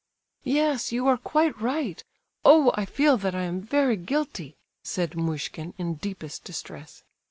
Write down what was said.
"Yes, you are quite right. Oh! I feel that I am very guilty!" said Muishkin, in deepest distress.